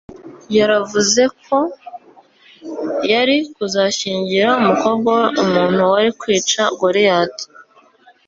yaravuze ko yari kuzashyingira umukobwa we umuntu wari kwica Goliyati